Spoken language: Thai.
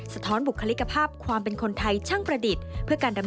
สวัสดีครับ